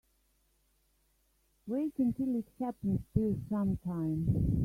Wait until it happens to you sometime.